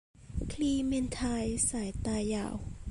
คลีเมนไทน์สายตายาว